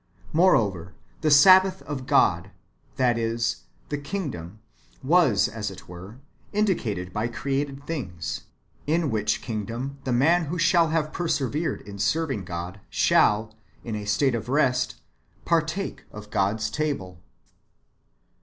^ Moreover, the Sabbath of God {requietio Dei), that is, the kingdom, was, as it were, indicated by created things ; in which [kingdom], the man who shall have persevered in serving God {Deo assistere) shall, in a state of rest, partake of God's table.